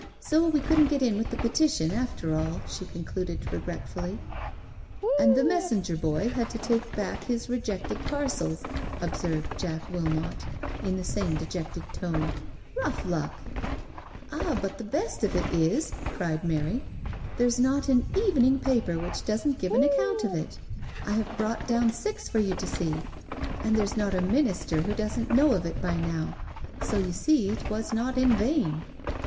So we couldn't get in with the Petition, after all," she con cluded regretfully^i " And the messenger boy had to take back his re jected parcels,*' observed Jack Wilmot, in the same dejected tone; *' rough luck I" " Ah, but the best of it is," cried Mary, " there's not an evening paper which doesn't give an account of it. I have brought down six for you to see. And there's not a Minister who doesn't know of it by now — so you see it was not in vain."